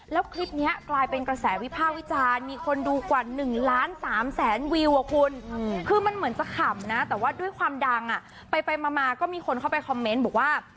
แล้วคลิปนี้กลายเป็นกระแสวิภาควิจารณ์มีคนดูกว่า๑ล้าน๓แสนวิวอ่ะคุณคือมันเหมือนจะขำนะแต่ว่าด้วยความดังอ่ะไปมาก็มีคนเข้าไปคอมเมนต์บอกว่า